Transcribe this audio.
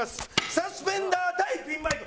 サスペンダー対ピンマイク。